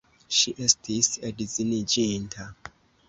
Ŝi estis edziniĝinta!